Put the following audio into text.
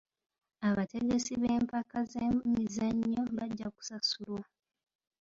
Abategesi b'empaka z'emizannyo bajja kusasulwa.